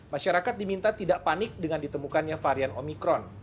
masyarakat diminta tidak panik dengan ditemukannya varian omikron